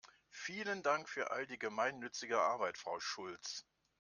Vielen Dank für all die gemeinnützige Arbeit, Frau Schulz!